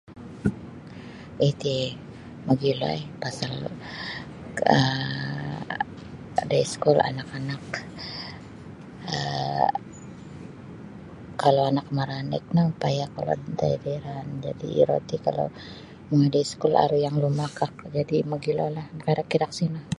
Iti mogilo ih pasal um daiskul anak-anak um kalau anak maranik no payah kolod ntai da iraan jadi' iro ti kalau mongoi daiskul aru yang lumakak jadi' mogilolah makairak-irak sino.